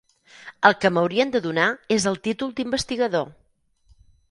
El que m'haurien de donar és el títol d'investigador!